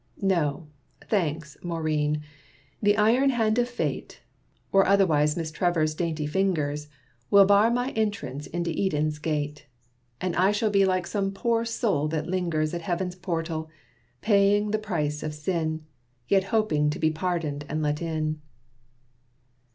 No, thanks, Maurine! The iron hand of Fate, (Or otherwise Miss Trevor's dainty fingers,) Will bar my entrance into Eden's gate; And I shall be like some poor soul that lingers At heaven's portal, paying the price of sin, Yet hoping to be pardoned and let in."